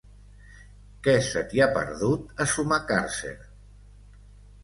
Què se t'hi ha perdut, a Sumacàrcer?